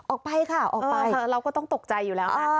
ออกไปค่ะออกไปเออค่ะเราก็ต้องตกใจอยู่แล้วอ่า